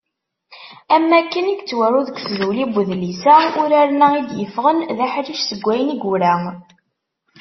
Am wakken i yettwaru deg tduli n udlis-a, uraren-a i d-yeffɣen d aḥric seg wayen i yura.